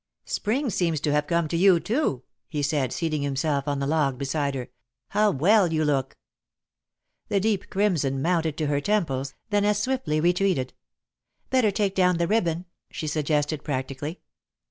"Spring seems to have come to you, too," he said, seating himself on the log beside her. "How well you look!" The deep crimson mounted to her temples, then as swiftly retreated. "Better take down the ribbon," she suggested, practically.